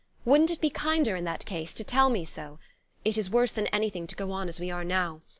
Wouldn't it be kinder, in that case, to tell me so? It is worse than anything to go on as we are now.